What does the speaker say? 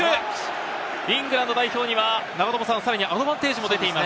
イングランド代表にはさらにアドバンテージも出ています。